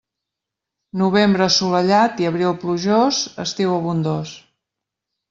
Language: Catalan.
Novembre assolellat i abril plujós, estiu abundós.